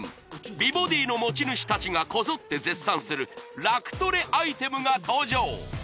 美ボディの持ち主達がこぞって絶賛する楽トレアイテムが登場！